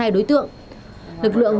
hai mươi hai đối tượng lực lượng